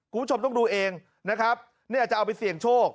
คุณผู้ชมต้องดูเองนะครับเนี่ยจะเอาไปเสี่ยงโชค